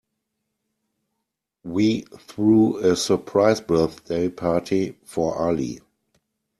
We threw a surprise birthday party for Ali.